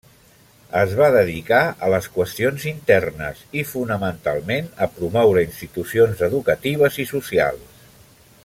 Es va dedicar a les qüestions internes i fonamentalment a promoure institucions educatives i socials.